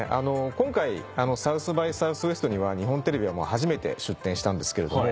今回「サウス・バイ・サウスウエスト」には日本テレビは初めて出展したんですけれども。